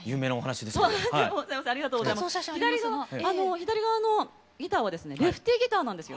左側のギターはですねレフティギターなんですよ。